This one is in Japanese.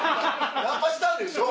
ナンパしたでしょ？